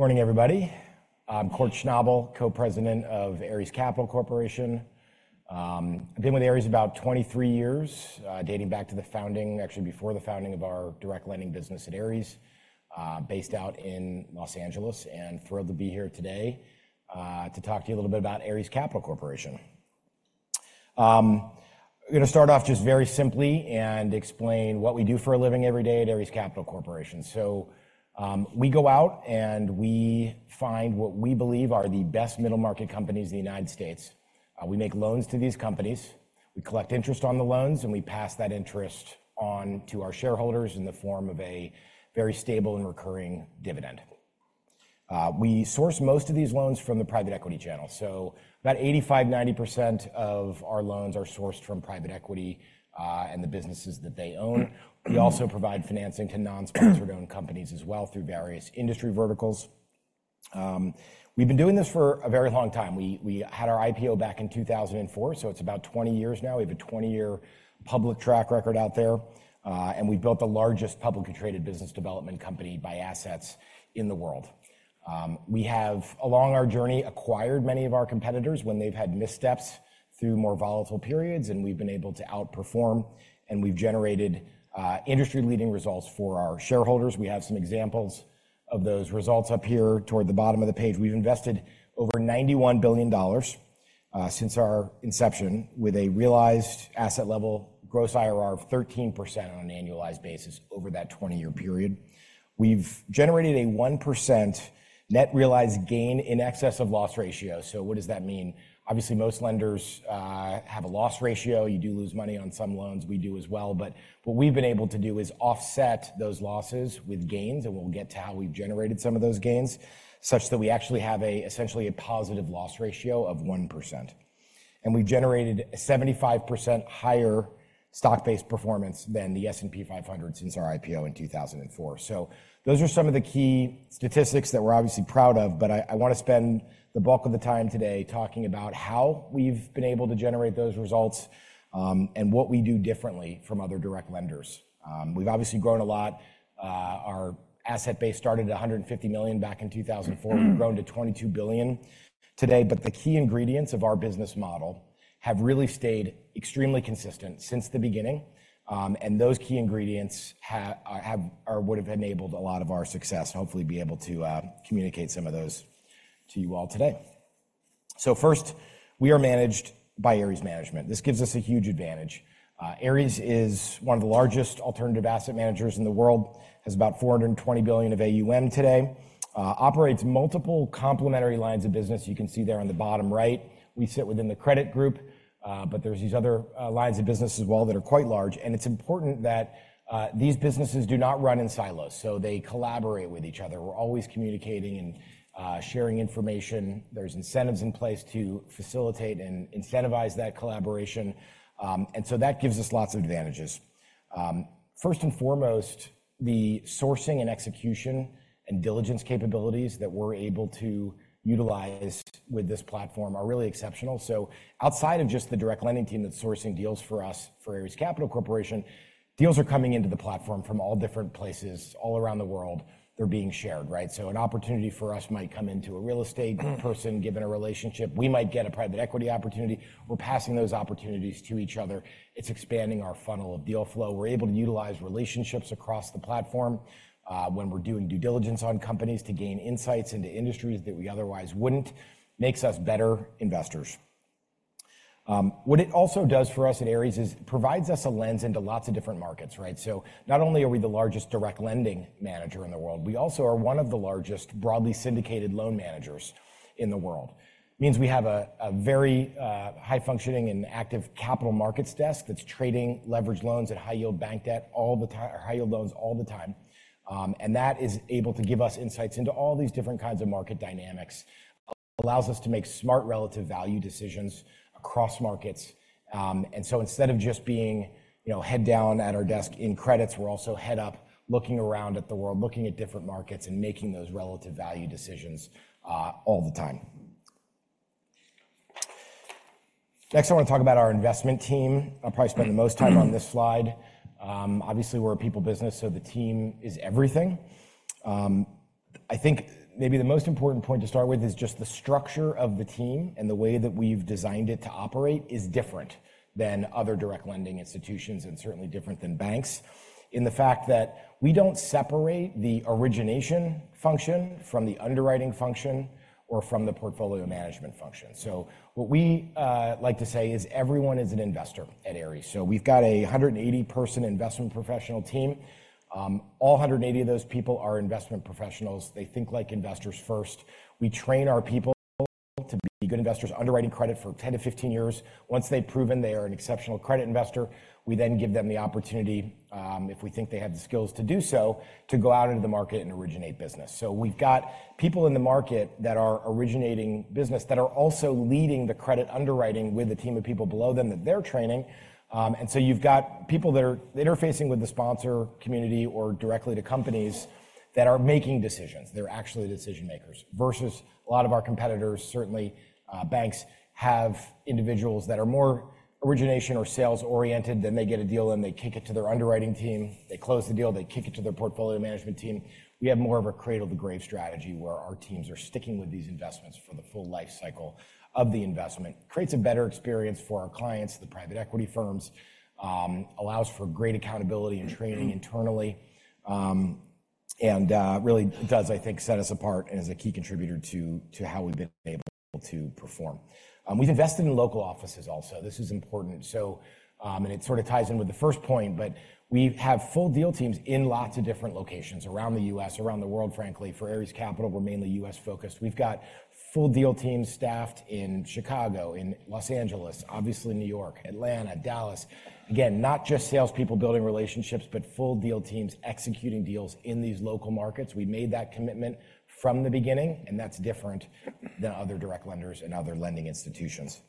Morning, everybody. I'm Kort Schnabel, Co-President of Ares Capital Corporation. I've been with Ares about 23 years, dating back to the founding, actually, before the founding, of our direct lending business at Ares, based out in Los Angeles. And thrilled to be here today to talk to you a little bit about Ares Capital Corporation. I'm going to start off just very simply and explain what we do for a living every day at Ares Capital Corporation. So we go out and we find what we believe are the best middle-market companies in the United States. We make loans to these companies. We collect interest on the loans, and we pass that interest on to our shareholders in the form of a very stable and recurring dividend. We source most of these loans from the private equity channel. So about 85%-90% of our loans are sourced from private equity and the businesses that they own. We also provide financing to non-sponsored-owned companies as well through various industry verticals. We've been doing this for a very long time. We had our IPO back in 2004, so it's about 20 years now. We have a 20-year public track record out there. And we built the largest publicly traded business development company by assets in the world. We have, along our journey, acquired many of our competitors when they've had missteps through more volatile periods. And we've been able to outperform. And we've generated industry-leading results for our shareholders. We have some examples of those results up here toward the bottom of the page. We've invested over $91 billion since our inception with a realized asset level gross IRR of 13% on an annualized basis over that 20-year period. We've generated a 1% net realized gain in excess of loss ratio. So what does that mean? Obviously, most lenders have a loss ratio. You do lose money on some loans. We do as well. But what we've been able to do is offset those losses with gains. And we'll get to how we've generated some of those gains such that we actually have essentially a positive loss ratio of 1%. And we've generated a 75% higher stock-based performance than the S&P 500 since our IPO in 2004. So those are some of the key statistics that we're obviously proud of. But I want to spend the bulk of the time today talking about how we've been able to generate those results and what we do differently from other direct lenders. We've obviously grown a lot. Our asset base started at $150 million back in 2004. We've grown to $22 billion today. But the key ingredients of our business model have really stayed extremely consistent since the beginning. And those key ingredients would have enabled a lot of our success. Hopefully, be able to communicate some of those to you all today. So first, we are managed by Ares Management. This gives us a huge advantage. Ares is one of the largest alternative asset managers in the world. Has about $420 billion of AUM today. Operates multiple complementary lines of business. You can see there on the bottom right, we sit within the credit group. But there are these other lines of business as well that are quite large. And it's important that these businesses do not run in silos. So they collaborate with each other. We're always communicating and sharing information. There are incentives in place to facilitate and incentivize that collaboration. And so that gives us lots of advantages. First and foremost, the sourcing and execution and diligence capabilities that we're able to utilize with this platform are really exceptional. So outside of just the direct lending team that's sourcing deals for us for Ares Capital Corporation, deals are coming into the platform from all different places all around the world. They're being shared, right? So an opportunity for us might come into a real estate person given a relationship. We might get a private equity opportunity. We're passing those opportunities to each other. It's expanding our funnel of deal flow. We're able to utilize relationships across the platform when we're doing due diligence on companies to gain insights into industries that we otherwise wouldn't. Makes us better investors. What it also does for us at Ares is provides us a lens into lots of different markets, right? So not only are we the largest direct lending manager in the world, we also are one of the largest broadly syndicated loan managers in the world. Means we have a very high-functioning and active capital markets desk that's trading leveraged loans at high-yield bank debt all the time or high-yield loans all the time. And that is able to give us insights into all these different kinds of market dynamics. Allows us to make smart relative value decisions across markets. And so instead of just being head down at our desk in credits, we're also head up, looking around at the world, looking at different markets, and making those relative value decisions all the time. Next, I want to talk about our investment team. I'll probably spend the most time on this slide. Obviously, we're a people business, so the team is everything. I think maybe the most important point to start with is just the structure of the team and the way that we've designed it to operate is different than other direct lending institutions and certainly different than banks in the fact that we don't separate the origination function from the underwriting function or from the portfolio management function. So what we like to say is everyone is an investor at Ares. So we've got a 180-person investment professional team. All 180 of those people are investment professionals. They think like investors first. We train our people to be good investors, underwriting credit for 10-15 years. Once they've proven they are an exceptional credit investor, we then give them the opportunity, if we think they have the skills to do so, to go out into the market and originate business. So we've got people in the market that are originating business that are also leading the credit underwriting with a team of people below them that they're training. And so you've got people that are interfacing with the sponsor community or directly to companies that are making decisions. They're actually decision makers. Versus a lot of our competitors, certainly banks, have individuals that are more origination or sales-oriented then they get a deal and they kick it to their underwriting team. They close the deal. They kick it to their portfolio management team. We have more of a cradle-to-grave strategy where our teams are sticking with these investments for the full life cycle of the investment. Creates a better experience for our clients, the private equity firms. Allows for great accountability and training internally. And really does, I think, set us apart as a key contributor to how we've been able to perform. We've invested in local offices also. This is important. And it sort of ties in with the first point. But we have full deal teams in lots of different locations around the US, around the world, frankly. For Ares Capital, we're mainly US focused. We've got full deal teams staffed in Chicago, in Los Angeles, obviously New York, Atlanta, Dallas. Again, not just salespeople building relationships, but full deal teams executing deals in these local markets. We made that commitment from the beginning. And that's different than other direct lenders and other lending institutions.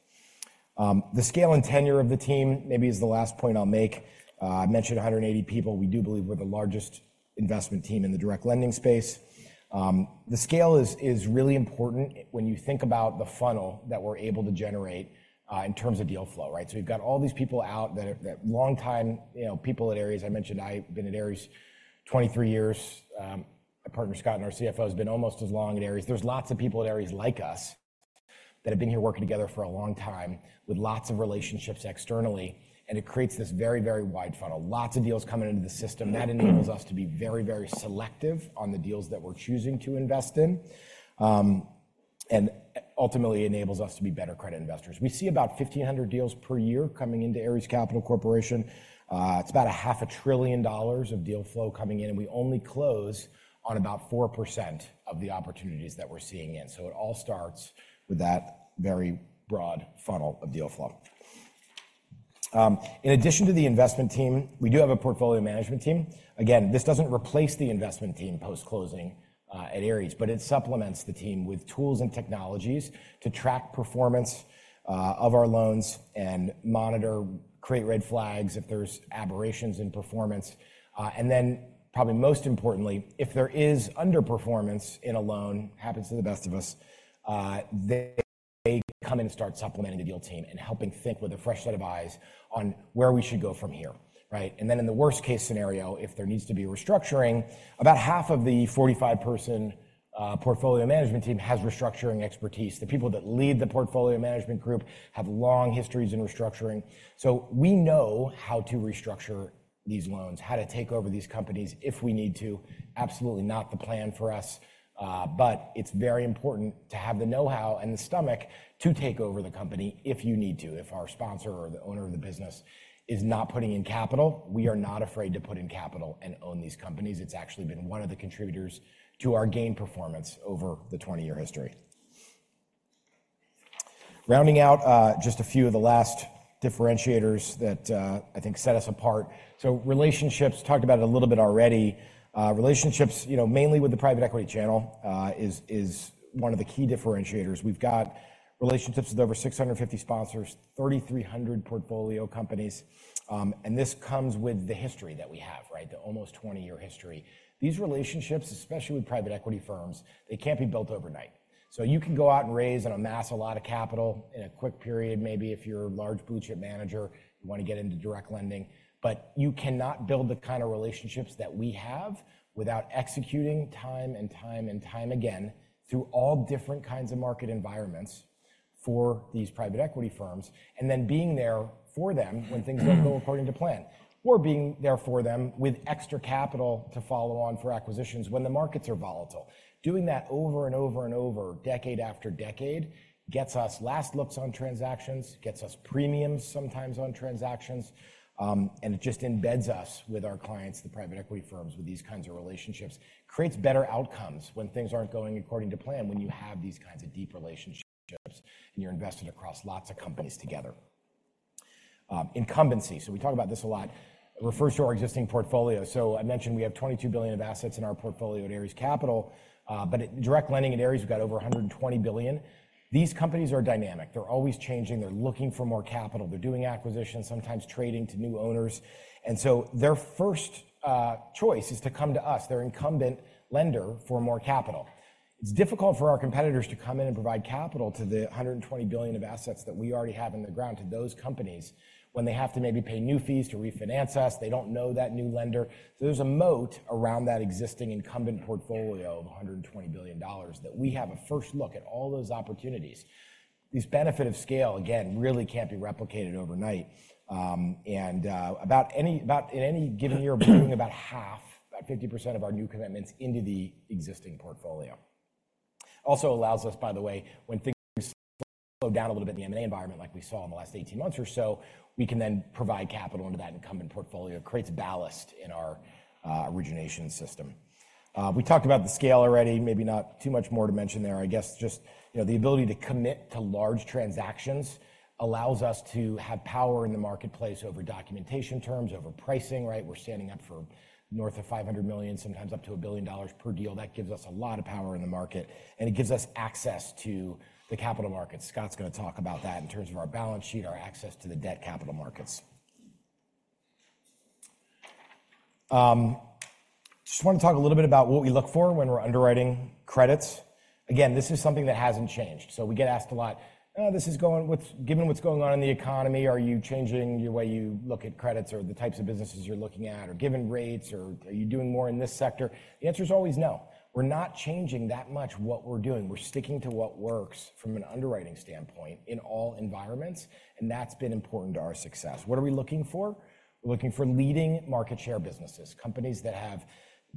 The scale and tenure of the team maybe is the last point I'll make. I mentioned 180 people. We do believe we're the largest investment team in the direct lending space. The scale is really important when you think about the funnel that we're able to generate in terms of deal flow, right? We've got all these people out that are long-time people at Ares. I mentioned I've been at Ares 23 years. My partner, Scott, and our CFO have been almost as long at Ares. There's lots of people at Ares like us that have been here working together for a long time with lots of relationships externally. It creates this very, very wide funnel. Lots of deals coming into the system. That enables us to be very, very selective on the deals that we're choosing to invest in. Ultimately, enables us to be better credit investors. We see about 1,500 deals per year coming into Ares Capital Corporation. It's about $0.5 trillion of deal flow coming in. We only close on about 4% of the opportunities that we're seeing in. So it all starts with that very broad funnel of deal flow. In addition to the investment team, we do have a portfolio management team. Again, this doesn't replace the investment team post-closing at Ares. But it supplements the team with tools and technologies to track performance of our loans and monitor, create red flags if there are aberrations in performance. And then, probably most importantly, if there is underperformance in a loan, happens to the best of us, they come in and start supplementing the deal team and helping think with a fresh set of eyes on where we should go from here, right? And then, in the worst-case scenario, if there needs to be restructuring, about half of the 45-person portfolio management team has restructuring expertise. The people that lead the portfolio management group have long histories in restructuring. So we know how to restructure these loans, how to take over these companies if we need to. Absolutely not the plan for us. But it's very important to have the know-how and the stomach to take over the company if you need to. If our sponsor or the owner of the business is not putting in capital, we are not afraid to put in capital and own these companies. It's actually been one of the contributors to our gained performance over the 20-year history. Rounding out just a few of the last differentiators that, I think, set us apart. So relationships, talked about it a little bit already, relationships, mainly with the private equity channel, is one of the key differentiators. We've got relationships with over 650 sponsors, 3,300 portfolio companies. This comes with the history that we have, right? The almost 20-year history. These relationships, especially with private equity firms, they can't be built overnight. So you can go out and raise and amass a lot of capital in a quick period, maybe, if you're a large blue-chip manager. You want to get into direct lending. But you cannot build the kind of relationships that we have without executing time and time and time again through all different kinds of market environments for these private equity firms and then being there for them when things don't go according to plan or being there for them with extra capital to follow on for acquisitions when the markets are volatile. Doing that over and over and over, decade after decade, gets us last looks on transactions, gets us premiums sometimes on transactions. And it just embeds us with our clients, the private equity firms, with these kinds of relationships. Creates better outcomes when things aren't going according to plan, when you have these kinds of deep relationships and you're invested across lots of companies together. Incumbency. So we talk about this a lot. Refers to our existing portfolio. So I mentioned we have $22 billion of assets in our portfolio at Ares Capital. But direct lending at Ares, we've got over $120 billion. These companies are dynamic. They're always changing. They're looking for more capital. They're doing acquisitions, sometimes trading to new owners. And so their first choice is to come to us, their incumbent lender, for more capital. It's difficult for our competitors to come in and provide capital to the $120 billion of assets that we already have in the ground to those companies when they have to maybe pay new fees to refinance us. They don't know that new lender. So there's a moat around that existing incumbent portfolio of $120 billion that we have a first look at all those opportunities. This benefit of scale, again, really can't be replicated overnight. And in any given year, we're putting about half, about 50% of our new commitments into the existing portfolio. Also allows us, by the way, when things slow down a little bit in the M&A environment, like we saw in the last 18 months or so, we can then provide capital into that incumbent portfolio. Creates ballast in our origination system. We talked about the scale already. Maybe not too much more to mention there. I guess just the ability to commit to large transactions allows us to have power in the marketplace over documentation terms, over pricing, right? We're standing up for north of $500 million, sometimes up to $1 billion per deal. That gives us a lot of power in the market. It gives us access to the capital markets. Scott's going to talk about that in terms of our balance sheet, our access to the debt capital markets. Just want to talk a little bit about what we look for when we're underwriting credits. Again, this is something that hasn't changed. We get asked a lot, "This is going with given what's going on in the economy, are you changing the way you look at credits or the types of businesses you're looking at? Or given rates, are you doing more in this sector?" The answer is always no. We're not changing that much what we're doing. We're sticking to what works from an underwriting standpoint in all environments. That's been important to our success. What are we looking for? We're looking for leading market share businesses, companies that have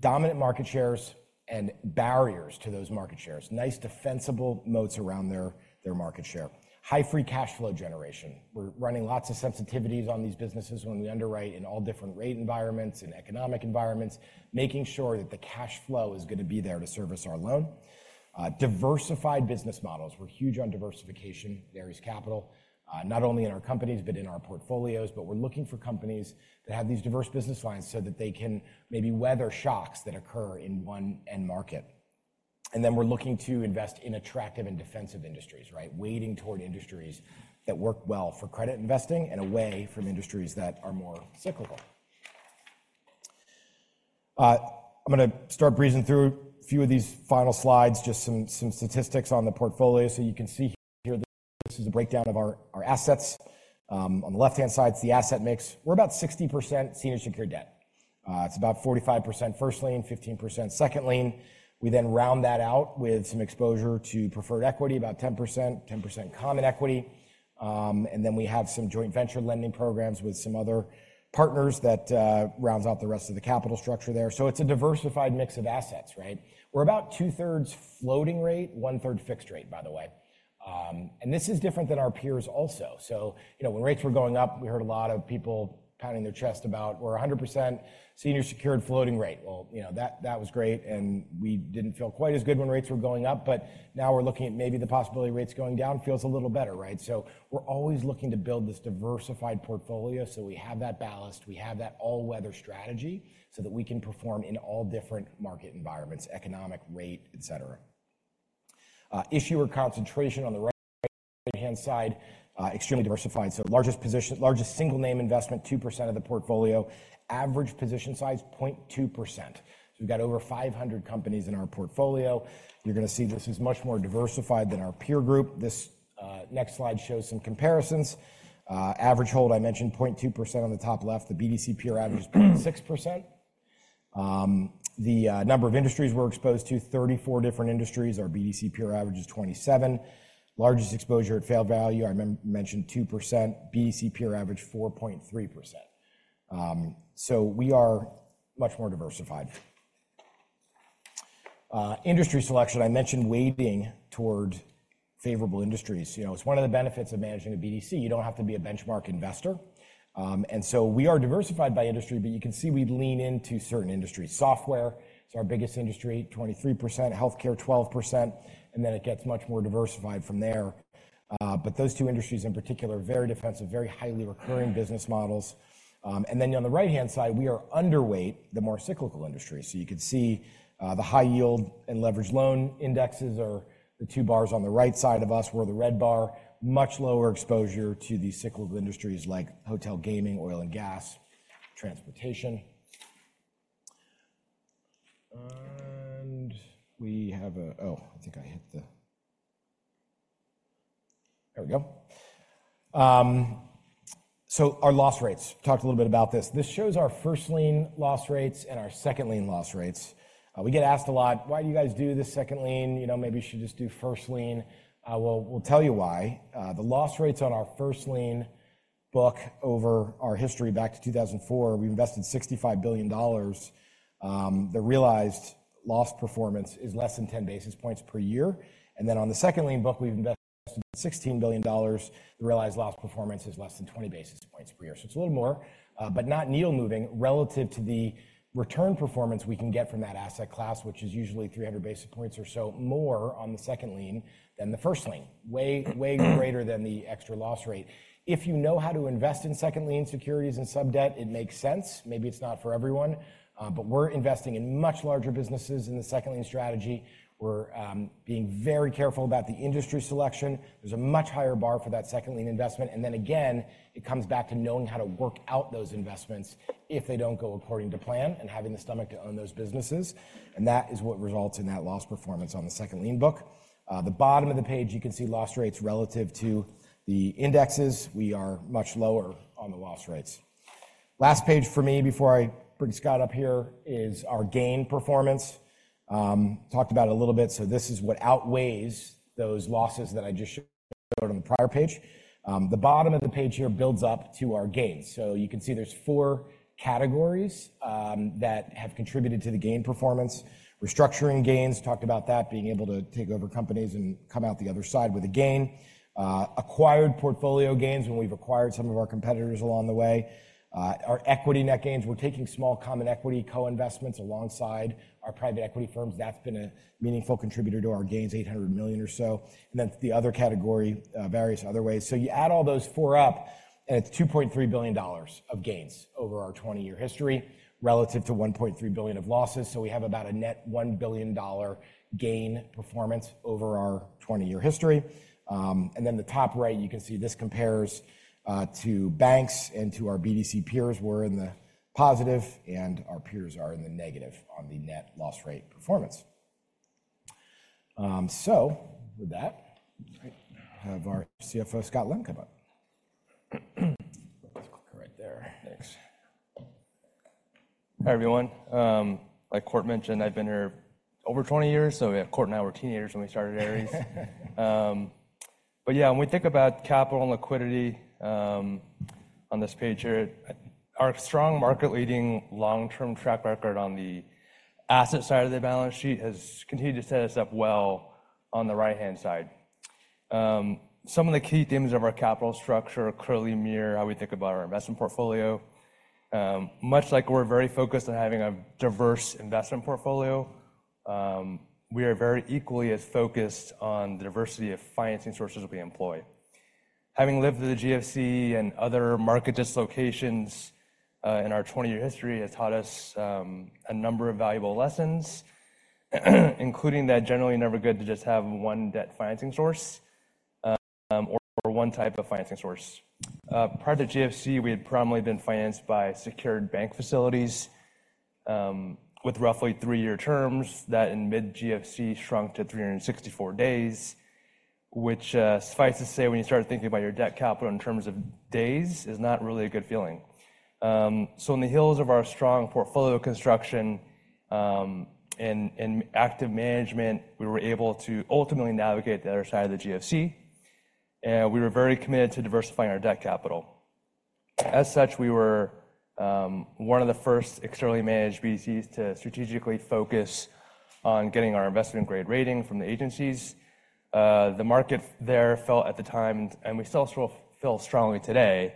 dominant market shares and barriers to those market shares, nice defensible moats around their market share, high free cash flow generation. We're running lots of sensitivities on these businesses when we underwrite in all different rate environments and economic environments, making sure that the cash flow is going to be there to service our loan. Diversified business models. We're huge on diversification at Ares Capital, not only in our companies but in our portfolios. But we're looking for companies that have these diverse business lines so that they can maybe weather shocks that occur in one end market. And then we're looking to invest in attractive and defensive industries, right? Weighing toward industries that work well for credit investing and away from industries that are more cyclical. I'm going to start breezing through a few of these final slides, just some statistics on the portfolio. So you can see here, this is a breakdown of our assets. On the left-hand side, it's the asset mix. We're about 60% senior secured debt. It's about 45% first lien, 15% second lien. We then round that out with some exposure to preferred equity, about 10%, 10% common equity. And then we have some joint venture lending programs with some other partners that round out the rest of the capital structure there. So it's a diversified mix of assets, right? We're about 2/3 floating rate, 1/3 fixed rate, by the way. This is different than our peers also. So when rates were going up, we heard a lot of people pounding their chest about, "We're 100% senior secured floating rate." Well, that was great. We didn't feel quite as good when rates were going up. But now we're looking at maybe the possibility rates going down feels a little better, right? So we're always looking to build this diversified portfolio so we have that ballast, we have that all-weather strategy so that we can perform in all different market environments, economic rate, etc. Issuer concentration on the right-hand side, extremely diversified. So largest single-name investment, 2% of the portfolio. Average position size, 0.2%. So we've got over 500 companies in our portfolio. You're going to see this is much more diversified than our peer group. This next slide shows some comparisons. Average hold, I mentioned, 0.2% on the top left. The peer group average is 0.6%. The number of industries we're exposed to, 34 different industries. Our peer group average is 27. Largest exposure at fair value, I mentioned, 2%. Peer group average, 4.3%. So we are much more diversified. Industry selection. I mentioned weighing toward favorable industries. It's one of the benefits of managing a BDC. You don't have to be a benchmark investor. And so we are diversified by industry. But you can see we lean into certain industries. Software is our biggest industry, 23%. Healthcare, 12%. And then it gets much more diversified from there. But those two industries in particular, very defensive, very highly recurring business models. And then, on the right-hand side, we are underweight the more cyclical industries. So you can see the high-yield and leveraged loan indexes are the two bars on the right side of us, where the red bar has much lower exposure to these cyclical industries like hotel, gaming, oil and gas, transportation. And we have a, oh, I think I hit the, there we go. So our loss rates. Talked a little bit about this. This shows our First Lien loss rates and our Second Lien loss rates. We get asked a lot, "Why do you guys do this Second Lien? Maybe you should just do First Lien." We'll tell you why. The loss rates on our First Lien book over our history back to 2004, we invested $65 billion. The realized loss performance is less than 10 basis points per year. And then on the Second Lien book, we invested $16 billion. The realized loss performance is less than 20 basis points per year. So it's a little more. But not needle-moving relative to the return performance we can get from that asset class, which is usually 300 basis points or so more on the second lien than the first lien, way, way greater than the extra loss rate. If you know how to invest in second lien securities and subdebt, it makes sense. Maybe it's not for everyone. But we're investing in much larger businesses in the second lien strategy. We're being very careful about the industry selection. There's a much higher bar for that second lien investment. And then, again, it comes back to knowing how to work out those investments if they don't go according to plan and having the stomach to own those businesses. And that is what results in that loss performance on the second lien book. The bottom of the page, you can see loss rates relative to the indexes. We are much lower on the loss rates. Last page for me before I bring Scott up here is our gained performance. Talked about it a little bit. So this is what outweighs those losses that I just showed on the prior page. The bottom of the page here builds up to our gains. So you can see there's 4 categories that have contributed to the gained performance: restructuring gains, talked about that, being able to take over companies and come out the other side with a gain, acquired portfolio gains when we've acquired some of our competitors along the way, our equity net gains. We're taking small common equity co-investments alongside our private equity firms. That's been a meaningful contributor to our gains, $800 million or so. And then the other category, various other ways. So you add all those 4 up, and it's $2.3 billion of gains over our 20-year history relative to $1.3 billion of losses. So we have about a net $1 billion gain performance over our 20-year history. And then the top right, you can see this compares to banks and to our BDC peers. We're in the positive, and our peers are in the negative on the net loss rate performance. So with that, I'll have our CFO, Scott Lem, come up. Let's click here right there. Thanks. Hi, everyone. Like Kort mentioned, I've been here over 20 years. So, yeah, Kort and I were teenagers when we started at Ares. But, yeah, when we think about capital and liquidity on this page here, our strong market-leading long-term track record on the asset side of the balance sheet has continued to set us up well on the right-hand side. Some of the key themes of our capital structure clearly mirror how we think about our investment portfolio. Much like we're very focused on having a diverse investment portfolio, we are very equally as focused on the diversity of financing sources we employ. Having lived through the GFC and other market dislocations in our 20-year history has taught us a number of valuable lessons, including that generally never good to just have one debt financing source or one type of financing source. Prior to the GFC, we had predominantly been financed by secured bank facilities with roughly three-year terms. That in mid-GFC shrunk to 364 days, which suffice to say, when you start thinking about your debt capital in terms of days, is not really a good feeling. On the heels of our strong portfolio construction and active management, we were able to ultimately navigate the other side of the GFC. We were very committed to diversifying our debt capital. As such, we were one of the first externally managed BDCs to strategically focus on getting our investment-grade rating from the agencies. The market we felt at the time, and we still feel strongly today,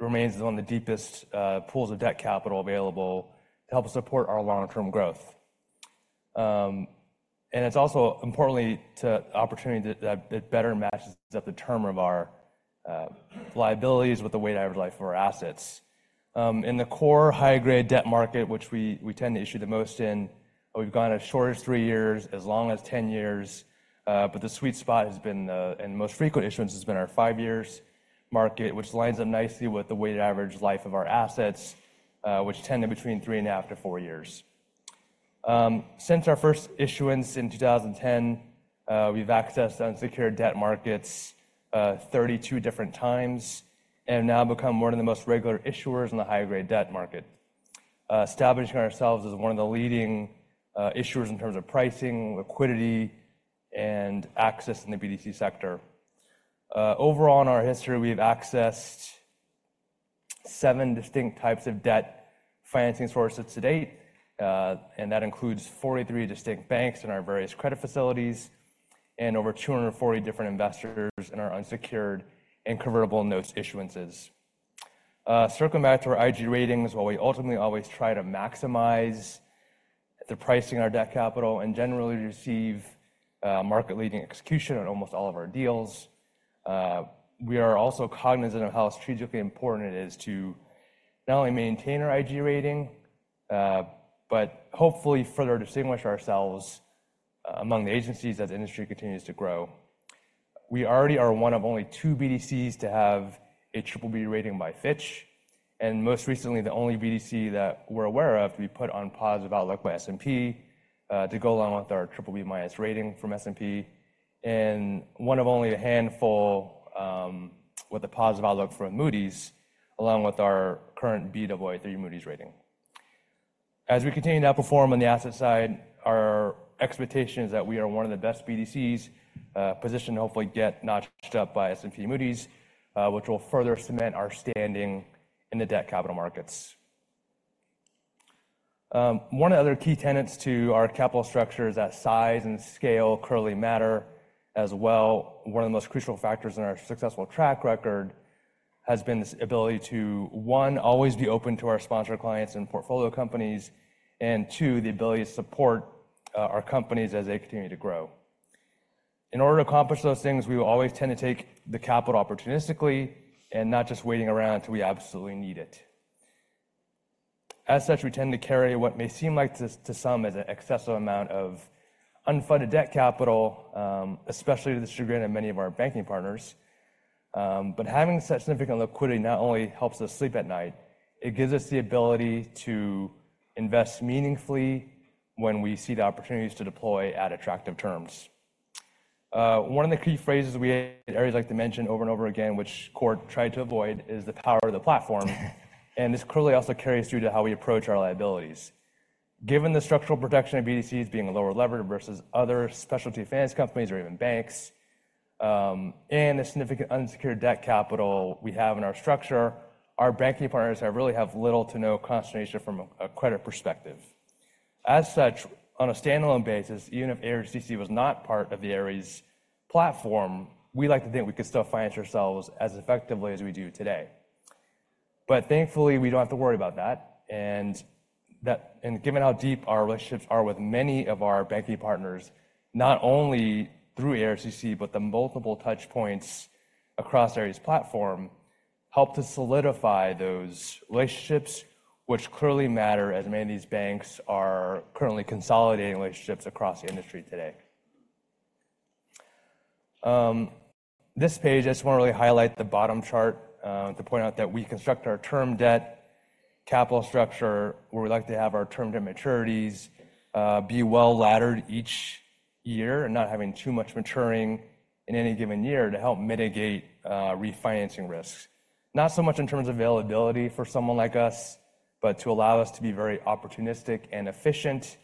remains one of the deepest pools of debt capital available to help support our long-term growth. It's also importantly an opportunity that better matches up the term of our liabilities with the weighted average life of our assets. In the core high-grade debt market, which we tend to issue the most in, we've gone as short as three years, as long as 10 years. But the sweet spot has been the most frequent issuance has been our five-year market, which lines up nicely with the weighted average life of our assets, which tend to be between 3.5-four years. Since our first issuance in 2010, we've accessed unsecured debt markets 32 different times and have now become one of the most regular issuers in the high-grade debt market, establishing ourselves as one of the leading issuers in terms of pricing, liquidity, and access in the BDC sector. Overall, in our history, we have accessed seven distinct types of debt financing sources to date. That includes 43 distinct banks in our various credit facilities and over 240 different investors in our unsecured and convertible notes issuances. Circling back to our IG ratings, while we ultimately always try to maximize the pricing of our debt capital and generally receive market-leading execution on almost all of our deals, we are also cognizant of how strategically important it is to not only maintain our IG rating but hopefully further distinguish ourselves among the agencies as the industry continues to grow. We already are one of only two BDCs to have a BBB rating by Fitch. Most recently, the only BDC that we're aware of to be put on positive outlook by S&P to go along with our BBB rating from S&P and one of only a handful with a positive outlook from Moody's, along with our current Baa3 Moody's rating. As we continue to outperform on the asset side, our expectation is that we are one of the best BDCs positioned to hopefully get notched up by S&P and Moody's, which will further cement our standing in the debt capital markets. One of the other key tenets to our capital structure is that size and scale clearly matter as well. One of the most crucial factors in our successful track record has been this ability to, one, always be open to our sponsor clients and portfolio companies and, two, the ability to support our companies as they continue to grow. In order to accomplish those things, we will always tend to take the capital opportunistically and not just waiting around until we absolutely need it. As such, we tend to carry what may seem like to some as an excessive amount of unfunded debt capital, especially to the disagreement of many of our banking partners. But having such significant liquidity not only helps us sleep at night, it gives us the ability to invest meaningfully when we see the opportunities to deploy at attractive terms. One of the key phrases we at Ares like to mention over and over again, which Kort tried to avoid, is the power of the platform. And this clearly also carries through to how we approach our liabilities. Given the structural protection of BDCs being lower leverage versus other specialty finance companies or even banks and the significant unsecured debt capital we have in our structure, our banking partners really have little to no consternation from a credit perspective. As such, on a standalone basis, even if Ares BDC was not part of the Ares platform, we like to think we could still finance ourselves as effectively as we do today. But thankfully, we don't have to worry about that. And given how deep our relationships are with many of our banking partners, not only through Ares DC but the multiple touchpoints across Ares platform help to solidify those relationships, which clearly matter as many of these banks are currently consolidating relationships across the industry today. This page, I just want to really highlight the bottom chart to point out that we construct our term debt capital structure where we like to have our term debt maturities be well laddered each year and not having too much maturing in any given year to help mitigate refinancing risks, not so much in terms of availability for someone like us but to allow us to be very opportunistic and efficient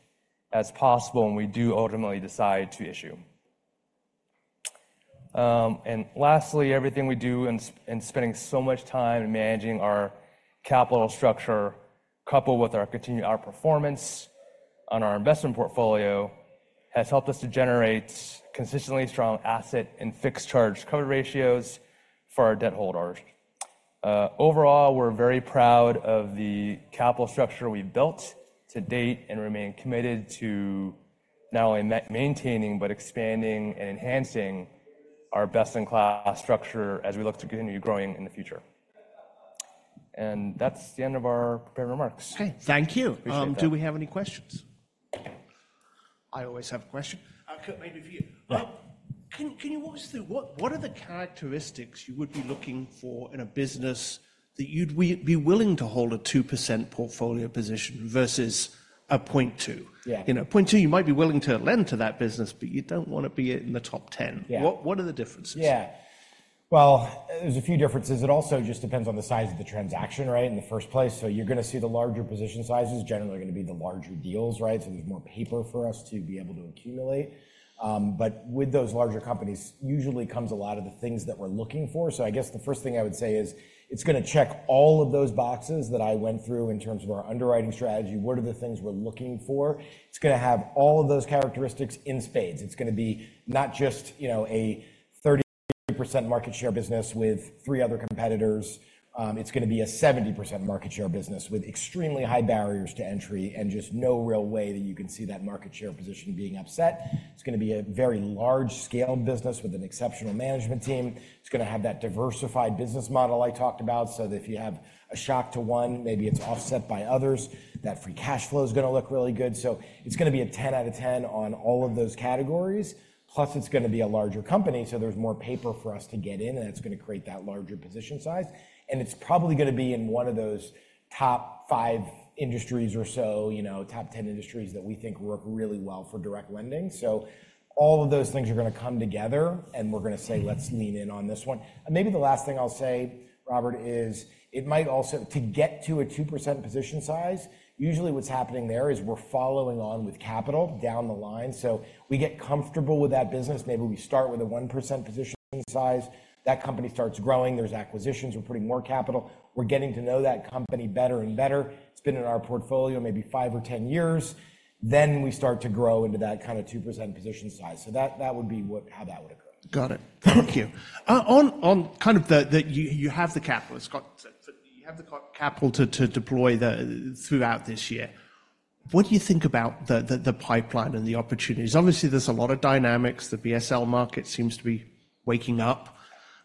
as possible when we do ultimately decide to issue. Lastly, everything we do in spending so much time managing our capital structure coupled with our continued outperformance on our investment portfolio has helped us to generate consistently strong asset and fixed-charge cover ratios for our debt holders. Overall, we're very proud of the capital structure we've built to date and remain committed to not only maintaining but expanding and enhancing our best-in-class structure as we look to continue growing in the future. That's the end of our prepared remarks. Okay. Thank you. Do we have any questions? I always have a question. Kort, maybe for you. Can you walk us through what are the characteristics you would be looking for in a business that you'd be willing to hold a 2% portfolio position versus a 0.2? 0.2, you might be willing to lend to that business, but you don't want to be in the top 10. What are the differences? Yeah. Well, there's a few differences. It also just depends on the size of the transaction, right, in the first place. So you're going to see the larger position sizes generally going to be the larger deals, right? So there's more paper for us to be able to accumulate. But with those larger companies, usually comes a lot of the things that we're looking for. So I guess the first thing I would say is it's going to check all of those boxes that I went through in terms of our underwriting strategy. What are the things we're looking for? It's going to have all of those characteristics in spades. It's going to be not just a 30% market share business with three other competitors. It's going to be a 70% market share business with extremely high barriers to entry and just no real way that you can see that market share position being upset. It's going to be a very large-scale business with an exceptional management team. It's going to have that diversified business model I talked about so that if you have a shock to one, maybe it's offset by others. That free cash flow is going to look really good. So it's going to be a 10 out of 10 on all of those categories. Plus, it's going to be a larger company. So there's more paper for us to get in, and that's going to create that larger position size. And it's probably going to be in one of those top five industries or so, top 10 industries that we think work really well for direct lending. So all of those things are going to come together, and we're going to say, "Let's lean in on this one." And maybe the last thing I'll say, Robert, is it might also to get to a 2% position size, usually what's happening there is we're following on with capital down the line. So we get comfortable with that business. Maybe we start with a 1% position size. That company starts growing. There's acquisitions. We're putting more capital. We're getting to know that company better and better. It's been in our portfolio maybe five or 10 years. Then we start to grow into that kind of 2% position size. So that would be how that would occur. Got it. Thank you. On kind of the you have the capital. You have the capital to deploy throughout this year. What do you think about the pipeline and the opportunities? Obviously, there's a lot of dynamics. The BSL market seems to be waking up.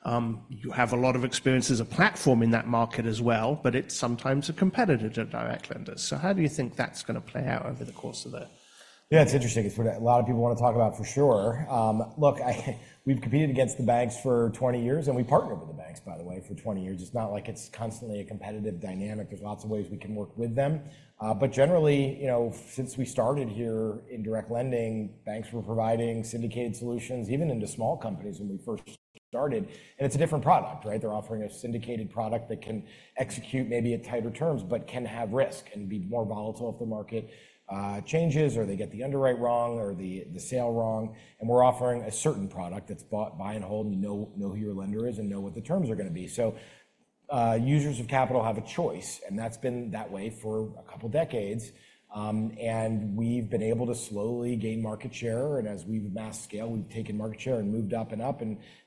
You have a lot of experience as a platform in that market as well, but it's sometimes a competitor to direct lenders. So how do you think that's going to play out over the course of the? Yeah, it's interesting. It's what a lot of people want to talk about for sure. Look, we've competed against the banks for 20 years, and we partner with the banks, by the way, for 20 years. It's not like it's constantly a competitive dynamic. There's lots of ways we can work with them. But generally, since we started here in direct lending, banks were providing syndicated solutions even into small companies when we first started. And it's a different product, right? They're offering a syndicated product that can execute maybe at tighter terms but can have risk and be more volatile if the market changes or they get the underwrite wrong or the sale wrong. And we're offering a certain product that's buy and hold. You know who your lender is and know what the terms are going to be. So users of capital have a choice, and that's been that way for a couple of decades. We've been able to slowly gain market share. As we've mass-scaled, we've taken market share and moved up and up.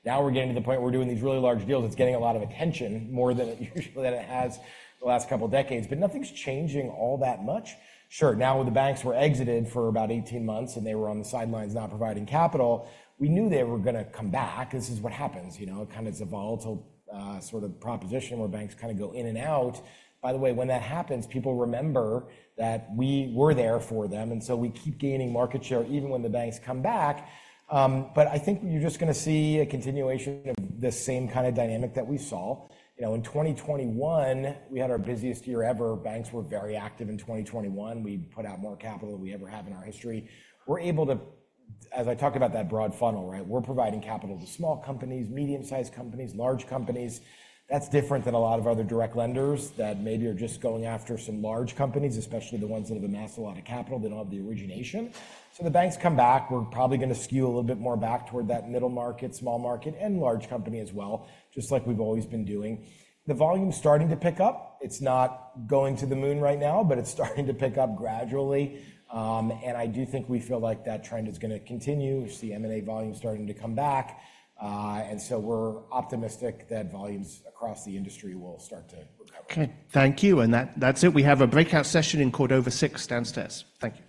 Now we're getting to the point where we're doing these really large deals. It's getting a lot of attention more than usually than it has the last couple of decades. But nothing's changing all that much. Sure. Now, with the banks, we're exited for about 18 months, and they were on the sidelines not providing capital. We knew they were going to come back. This is what happens. It kind of is a volatile sort of proposition where banks kind of go in and out. By the way, when that happens, people remember that we were there for them. And so we keep gaining market share even when the banks come back. But I think you're just going to see a continuation of the same kind of dynamic that we saw. In 2021, we had our busiest year ever. Banks were very active in 2021. We put out more capital than we ever have in our history. We're able to as I talked about that broad funnel, right? We're providing capital to small companies, medium-sized companies, large companies. That's different than a lot of other direct lenders that maybe are just going after some large companies, especially the ones that have amassed a lot of capital. They don't have the origination. So the banks come back. We're probably going to skew a little bit more back toward that middle market, small market, and large company as well, just like we've always been doing. The volume's starting to pick up. It's not going to the moon right now, but it's starting to pick up gradually. And I do think we feel like that trend is going to continue. We see M&A volume starting to come back. And so we're optimistic that volumes across the industry will start to recover. Okay. Thank you. That's it. We have a breakout session inCordover downstairs. Thank you.